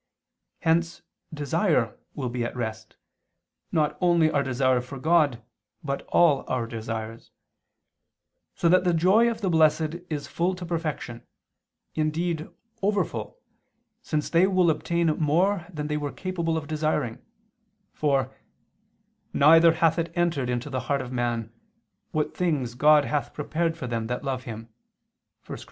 Hence desire will be at rest, not only our desire for God, but all our desires: so that the joy of the blessed is full to perfection indeed over full, since they will obtain more than they were capable of desiring: for "neither hath it entered into the heart of man, what things God hath prepared for them that love Him" (1 Cor.